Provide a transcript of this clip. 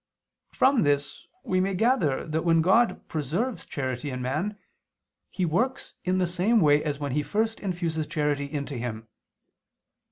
From this we may gather that when God preserves charity in man, He works in the same way as when He first infuses charity into him.